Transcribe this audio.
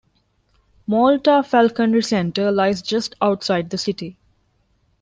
Malta Falconry Centre lies just outside the city.